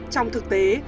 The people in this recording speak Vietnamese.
trong thực tế